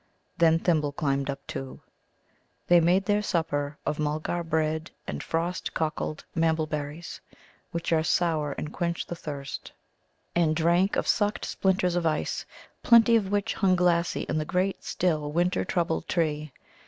Then Thimble climbed up too. They made their supper of Mulgar bread and frost cockled Mambel berries, which are sour and quench the thirst, and drank or sucked splinters of ice, plenty of which hung glassy in the great, still, winter troubled tree.